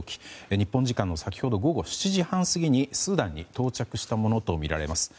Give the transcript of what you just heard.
日本時間の先ほど午後７時半過ぎにスーダンに到着したものとみられます。